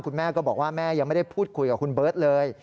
คุณแม่ก็บอกว่าแม่ยังไม่ได้พูดคุยกับคุณเบิร์ตเลย